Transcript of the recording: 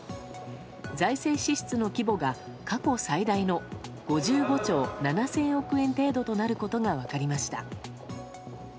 財政支出の規模が過去最大の５５兆７０００億円程度となることが分かりました。